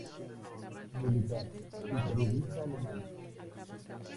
Militar y periodista alemán.